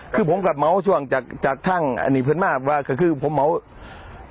คือผมกลับเหมาช่วงจากจากช่างอันนี้เพื่อนมากว่าก็คือผมเหมา